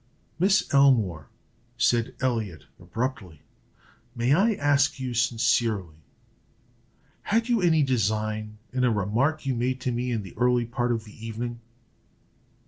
"Miss Elmore," said Elliot, abruptly, "may I ask you, sincerely, had you any design in a remark you made to me in the early part of the evening?"